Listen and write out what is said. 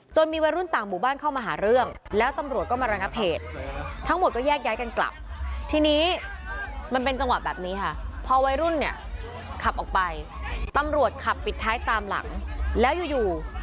จนมีวัยรุ่นต่างบุ